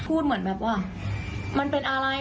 พูดเหมือนแบบว่ามันเป็นอะไร